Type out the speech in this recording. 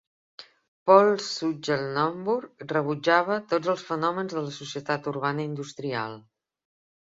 Paul Schultze-Naumburg rebutjava tots els fenòmens de la societat urbana industrial.